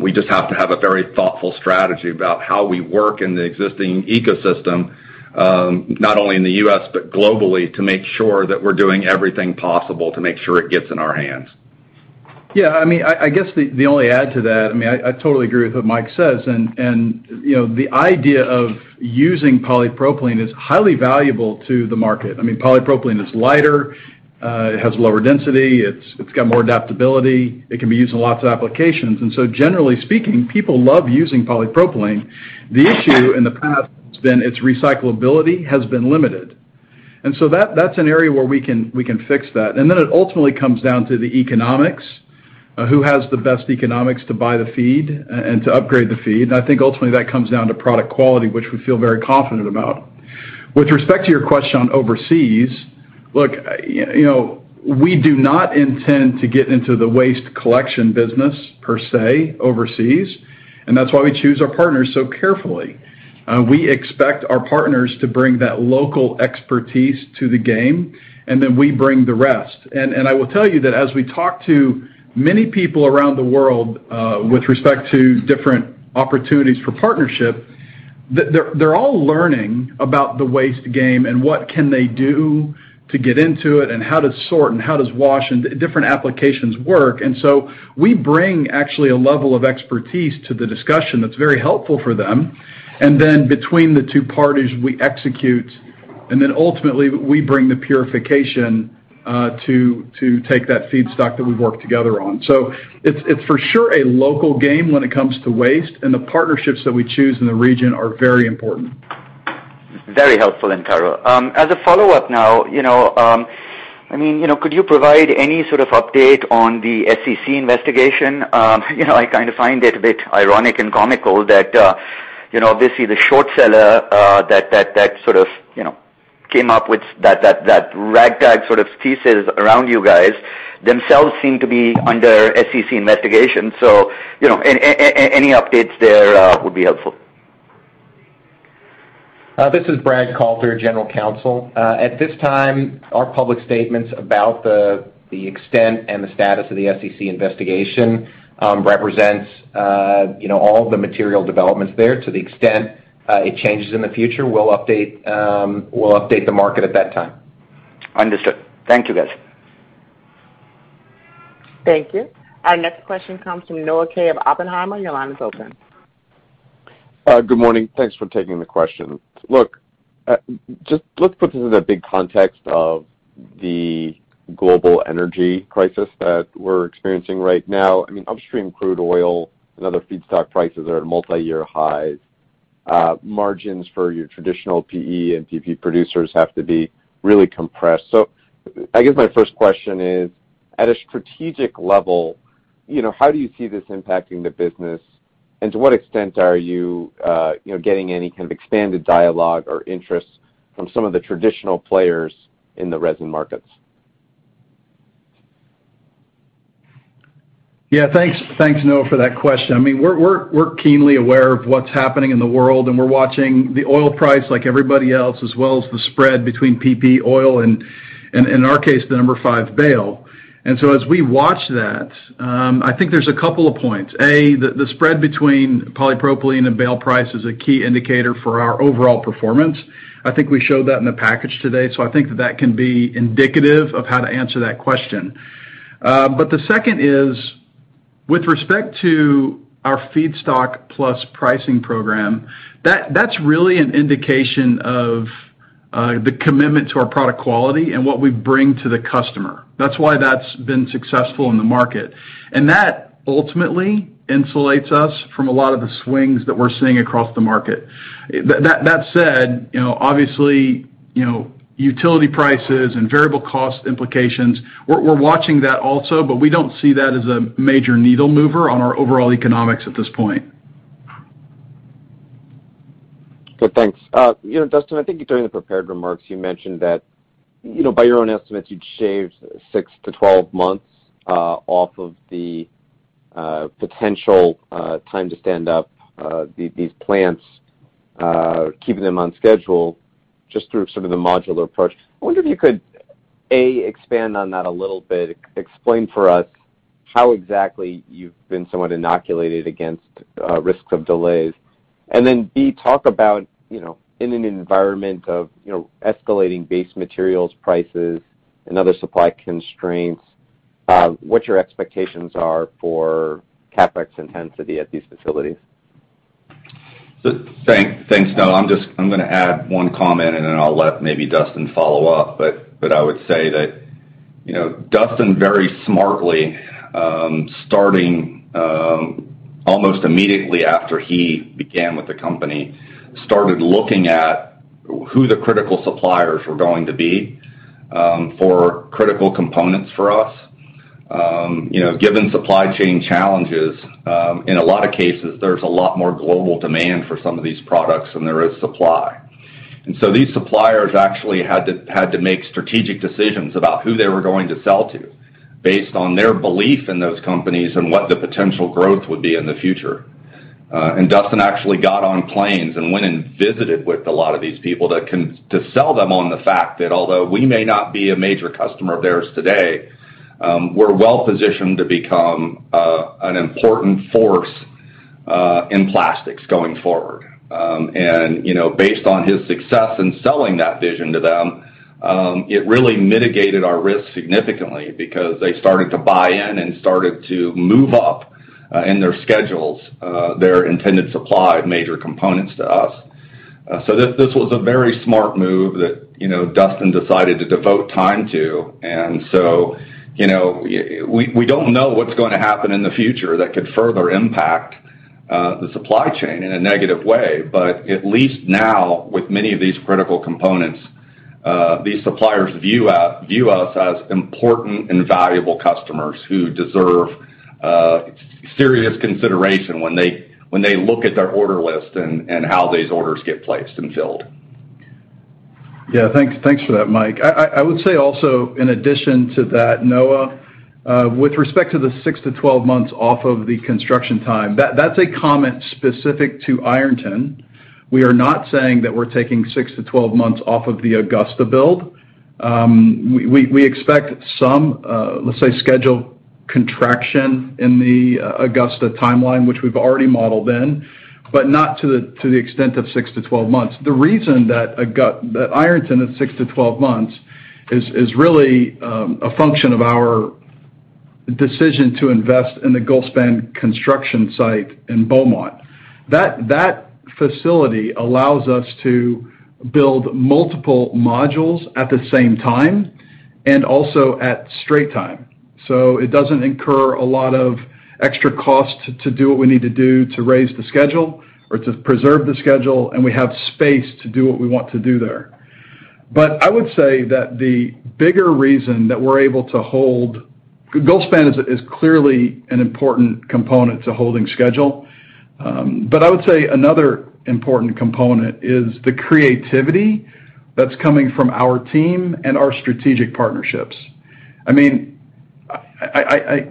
We just have to have a very thoughtful strategy about how we work in the existing ecosystem, not only in the U.S., but globally, to make sure that we're doing everything possible to make sure it gets in our hands. Yeah, I mean, I guess the only add to that, I mean, I totally agree with what Mike says, and you know, the idea of using polypropylene is highly valuable to the market. I mean, polypropylene is lighter, it has lower density, it's got more adaptability. It can be used in lots of applications. Generally speaking, people love using polypropylene. The issue in the past has been its recyclability has been limited. That's an area where we can fix that. It ultimately comes down to the economics, who has the best economics to buy the feed and to upgrade the feed. I think ultimately that comes down to product quality, which we feel very confident about. With respect to your question on overseas, look, you know, we do not intend to get into the waste collection business per se overseas, and that's why we choose our partners so carefully. We expect our partners to bring that local expertise to the game, and then we bring the rest. I will tell you that as we talk to many people around the world, with respect to different opportunities for partnership, they're all learning about the waste game and what can they do to get into it and how to sort and how does wash and different applications work. We bring actually a level of expertise to the discussion that's very helpful for them. Between the two parties, we execute, and then ultimately we bring the purification to take that feedstock that we work together on. It's for sure a local game when it comes to waste, and the partnerships that we choose in the region are very important. Very helpful and thorough. As a follow-up now, you know, I mean, you know, I mean, you know, could you provide any sort of update on the SEC investigation? You know, I kind of find it a bit ironic and comical that you know, obviously the short seller that sort of you know came up with that ragtag sort of thesis around you guys themselves seem to be under SEC investigation. You know, any updates there would be helpful. This is Brad Kalter, General Counsel. At this time, our public statements about the extent and the status of the SEC investigation represents, you know, all the material developments there. To the extent it changes in the future, we'll update the market at that time. Understood. Thank you, guys. Thank you. Our next question comes from Noah Kaye of Oppenheimer. Your line is open. Good morning. Thanks for taking the question. Look, just let's put this in the big context of the global energy crisis that we're experiencing right now. I mean, upstream crude oil and other feedstock prices are at multi-year highs. Margins for your traditional PE and PP producers have to be really compressed. I guess my first question is, at a strategic level, you know, how do you see this impacting the business? And to what extent are you know, getting any kind of expanded dialogue or interest from some of the traditional players in the resin markets? Yeah. Thanks, Noah, for that question. I mean, we're keenly aware of what's happening in the world, and we're watching the oil price like everybody else, as well as the spread between PP, oil and in our case, the number 5 bale. As we watch that, I think there's a couple of points. A, the spread between polypropylene and bale price is a key indicator for our overall performance. I think we showed that in the package today, so I think that can be indicative of how to answer that question. But the second is, with respect to our Feedstock Plus pricing program, that's really an indication of the commitment to our product quality and what we bring to the customer. That's why that's been successful in the market. That ultimately insulates us from a lot of the swings that we're seeing across the market. That said, you know, obviously, you know, utility prices and variable cost implications, we're watching that also, but we don't see that as a major needle mover on our overall economics at this point. Good. Thanks. You know, Dustin, I think during the prepared remarks, you mentioned that, you know, by your own estimates, you'd shaved 6-12 months off of the potential time to stand up these plants, keeping them on schedule just through sort of the modular approach. I wonder if you could, A, expand on that a little bit, explain for us how exactly you've been somewhat inoculated against risks of delays. Then, B, talk about, you know, in an environment of, you know, escalating base materials prices and other supply constraints, what your expectations are for CapEx intensity at these facilities. Thanks. Thanks, Noah. I'm gonna add one comment, and then I'll let maybe Dustin follow up. I would say that, you know, Dustin, very smartly, starting almost immediately after he began with the company, started looking at who the critical suppliers were going to be, for critical components for us. You know, given supply chain challenges, in a lot of cases, there's a lot more global demand for some of these products than there is supply. These suppliers actually had to make strategic decisions about who they were going to sell to based on their belief in those companies and what the potential growth would be in the future. Dustin actually got on planes and went and visited with a lot of these people that can. To sell them on the fact that although we may not be a major customer of theirs today, we're well positioned to become an important force in plastics going forward. You know, based on his success in selling that vision to them, it really mitigated our risk significantly because they started to buy in and started to move up in their schedules their intended supply of major components to us. This was a very smart move that, you know, Dustin decided to devote time to. You know, we don't know what's gonna happen in the future that could further impact the supply chain in a negative way. At least now, with many of these critical components, these suppliers view us as important and valuable customers who deserve serious consideration when they look at their order list and how these orders get placed and filled. Yeah. Thanks for that, Mike. I would say also in addition to that, Noah, with respect to the 6-12 months off of the construction time, that's a comment specific to Ironton. We are not saying that we're taking 6-12 months off of the Augusta build. We expect some, let's say, schedule contraction in the Augusta timeline, which we've already modeled in, but not to the extent of 6-12 months. The reason that Ironton is 6-12 months is really a function of our decision to invest in the Gulfspan construction site in Beaumont. That facility allows us to build multiple modules at the same time and also at straight time. It doesn't incur a lot of extra cost to do what we need to do to raise the schedule or to preserve the schedule, and we have space to do what we want to do there. I would say that the bigger reason that we're able to hold the schedule. Gulfspan is clearly an important component to holding schedule. I would say another important component is the creativity that's coming from our team and our strategic partnerships.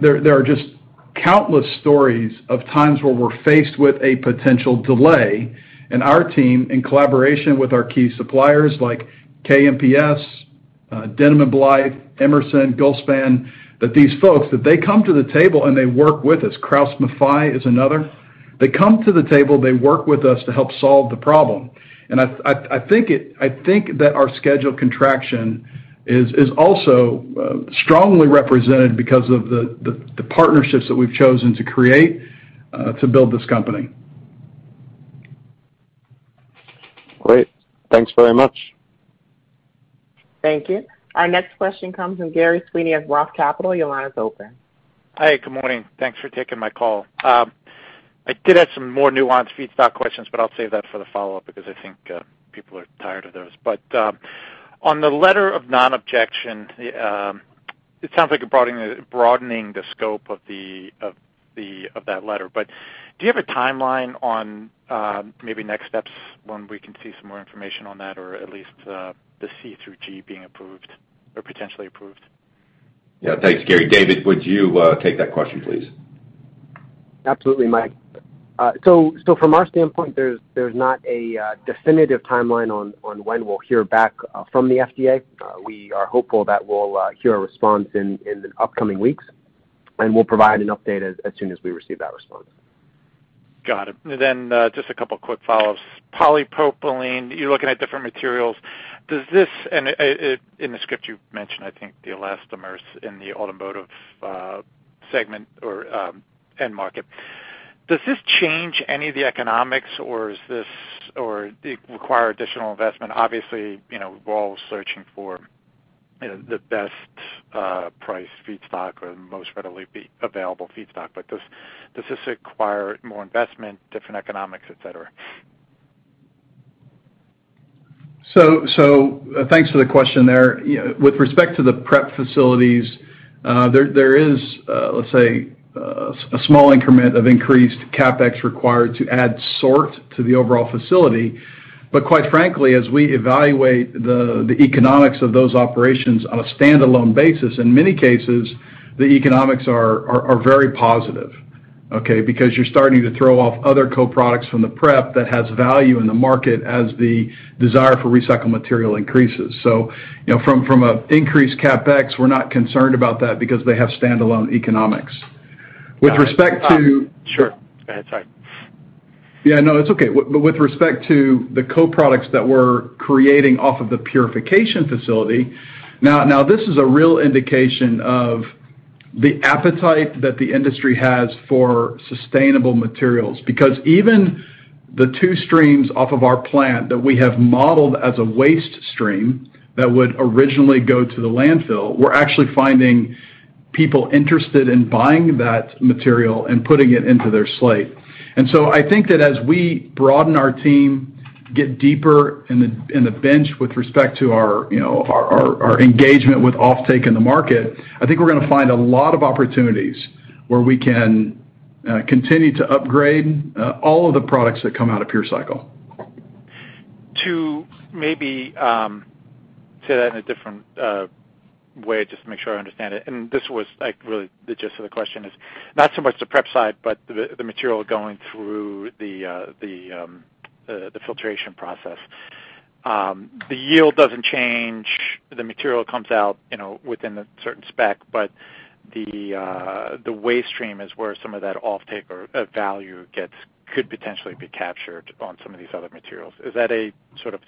There are just countless stories of times where we're faced with a potential delay, and our team, in collaboration with our key suppliers like KMPS, Denham-Blythe, Emerson, Gulfspan, that these folks come to the table, and they work with us. KraussMaffei is another. They come to the table, they work with us to help solve the problem. I think that our scheduled construction is also strongly represented because of the partnerships that we've chosen to create to build this company. Great. Thanks very much. Thank you. Our next question comes from Gerry Sweeney of Roth Capital. Your line is open. Hi. Good morning. Thanks for taking my call. I did have some more nuanced feedstock questions, but I'll save that for the follow-up because I think people are tired of those. On the letter of non-objection, it sounds like you're broadening the scope of that letter. Do you have a timeline on maybe next steps when we can see some more information on that or at least the C through G being approved or potentially approved? Yeah. Thanks, Gerry. David, would you take that question, please? Absolutely, Mike. From our standpoint, there's not a definitive timeline on when we'll hear back from the FDA. We are hopeful that we'll hear a response in the upcoming weeks, and we'll provide an update as soon as we receive that response. Got it. Just a couple quick follow-ups. Polypropylene, you're looking at different materials. In the script you've mentioned, I think the elastomers in the automotive segment or end market. Does this change any of the economics or require additional investment? Obviously, you know, we're all searching for, you know, the best price feedstock or most readily available feedstock. Does this require more investment, different economics, et cetera? Thanks for the question there. With respect to the PreP facilities, there is, let's say, a small increment of increased CapEx required to add sorting to the overall facility. But quite frankly, as we evaluate the economics of those operations on a standalone basis, in many cases, the economics are very positive, okay? Because you're starting to throw off other co-products from the PreP that has value in the market as the desire for recycled material increases. You know, from an increased CapEx, we're not concerned about that because they have standalone economics. With respect to- Sure. Go ahead, sorry. Yeah, no, it's okay. With respect to the co-products that we're creating off of the purification facility, now this is a real indication of the appetite that the industry has for sustainable materials. Because even the two streams off of our plant that we have modeled as a waste stream that would originally go to the landfill, we're actually finding people interested in buying that material and putting it into their slate. I think that as we broaden our team, get deeper in the bench with respect to our, you know, our engagement with offtake in the market, I think we're gonna find a lot of opportunities where we can continue to upgrade all of the products that come out of PureCycle. To maybe say that in a different way just to make sure I understand it, and this was like really the gist of the question is not so much the prep side, but the material going through the filtration process. The yield doesn't change. The material comes out, you know, within a certain spec, but the waste stream is where some of that offtake or value could potentially be captured on some of these other materials. Is that a sort of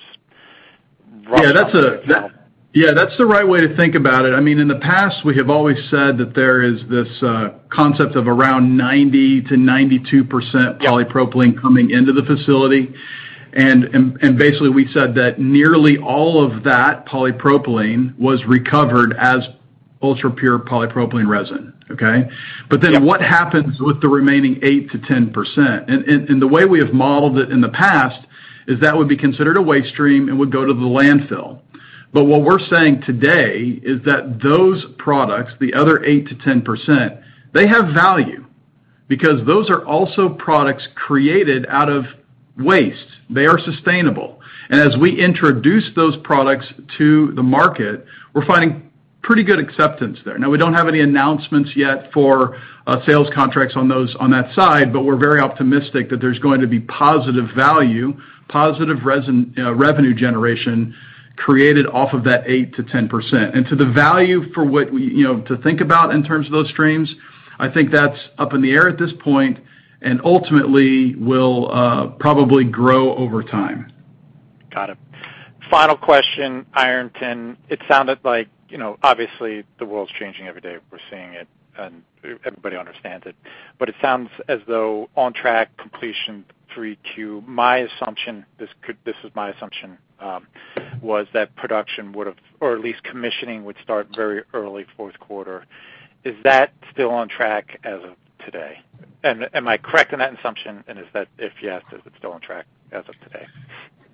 rough Yeah, that's the right way to think about it. I mean, in the past, we have always said that there is this concept of around 90%-92%. Yeah Polypropylene coming into the facility. Basically, we said that nearly all of that polypropylene was recovered as ultra-pure polypropylene resin, okay? Yeah. What happens with the remaining 8%-10%? The way we have modeled it in the past is that would be considered a waste stream and would go to the landfill. What we're saying today is that those products, the other 8%-10%, they have value because those are also products created out of waste. They are sustainable. As we introduce those products to the market, we're finding pretty good acceptance there. Now, we don't have any announcements yet for sales contracts on those, on that side, but we're very optimistic that there's going to be positive value, you know, revenue generation created off of that 8%-10%. To the value for what we You know, to think about in terms of those streams, I think that's up in the air at this point and ultimately will probably grow over time. Got it. Final question, Ironton. It sounded like, you know, obviously the world's changing every day. We're seeing it and everybody understands it. But it sounds as though on track completion Q3. My assumption, this is my assumption, was that production would have or at least commissioning would start very early fourth quarter. Is that still on track as of today? And am I correct in that assumption? And is that, if yes, is it still on track as of today?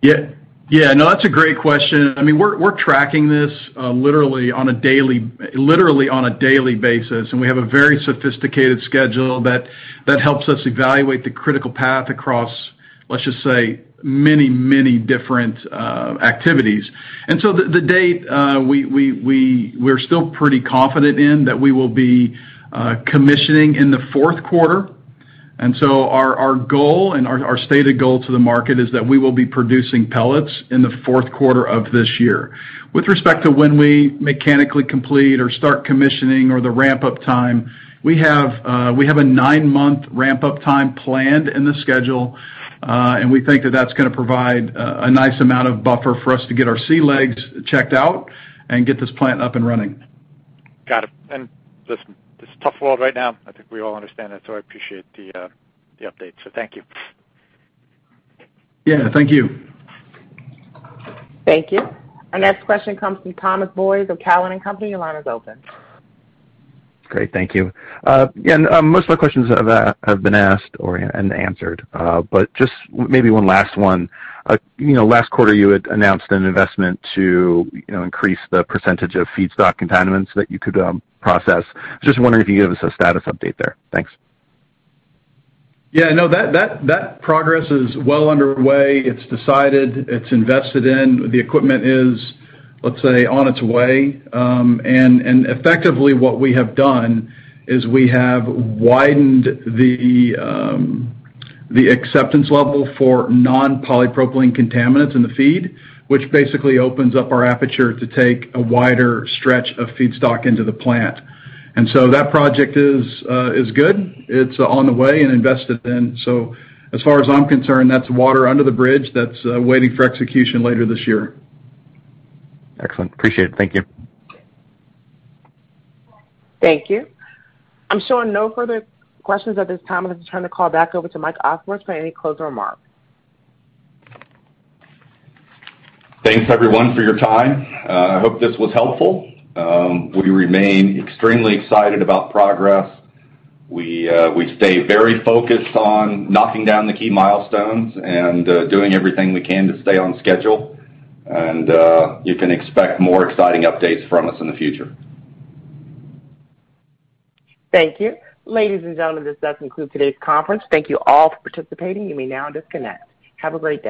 Yeah. Yeah. No, that's a great question. I mean, we're tracking this literally on a daily basis, and we have a very sophisticated schedule that helps us evaluate the critical path across, let's just say, many, many different activities. The date we're still pretty confident in that we will be commissioning in the fourth quarter. Our goal and our stated goal to the market is that we will be producing pellets in the fourth quarter of this year. With respect to when we mechanically complete or start commissioning or the ramp-up time, we have a 9-month ramp-up time planned in the schedule. We think that that's gonna provide a nice amount of buffer for us to get our sea legs checked out and get this plant up and running. Got it. This, it's a tough world right now. I think we all understand that, so I appreciate the update. Thank you. Yeah, thank you. Thank you. Our next question comes from Thomas Boyes of Cowen and Company. Your line is open. Great. Thank you. Most of my questions have been asked and answered. Just maybe one last one. You know, last quarter, you had announced an investment to, you know, increase the percentage of feedstock contaminants that you could process. Just wondering if you could give us a status update there. Thanks. Yeah, no, that progress is well underway. It's decided, it's invested in. The equipment is, let's say, on its way. Effectively, what we have done is we have widened the acceptance level for non-polypropylene contaminants in the feed, which basically opens up our aperture to take a wider stretch of feedstock into the plant. That project is good. It's on the way and invested in. As far as I'm concerned, that's water under the bridge. That's waiting for execution later this year. Excellent. Appreciate it. Thank you. Thank you. I'm showing no further questions at this time. Let me turn the call back over to Mike Otworth for any closing remarks. Thanks, everyone, for your time. I hope this was helpful. We remain extremely excited about progress. We stay very focused on knocking down the key milestones and doing everything we can to stay on schedule. You can expect more exciting updates from us in the future. Thank you. Ladies and gentlemen, this does conclude today's conference. Thank you all for participating. You may now disconnect. Have a great day.